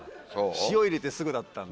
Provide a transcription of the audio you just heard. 塩入れてすぐだったんで。